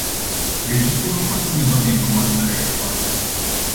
Registrul nu conține toate informațiile relevante.